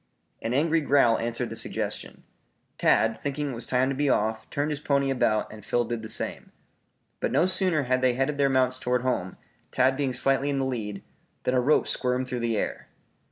An angry growl answered the suggestion. Tad thinking it was time to be off, turned his pony about and Phil did the same. But no sooner had they headed their mounts toward home, Tad being slightly in the lead, than a rope squirmed through the air.